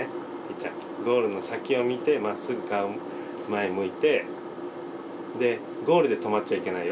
ちゃんゴールの先を見てまっすぐ顔前向いてでゴールで止まっちゃいけないよ。